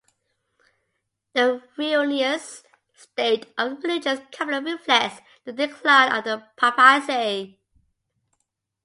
The ruinous state of the religious capital reflects the decline of the papacy.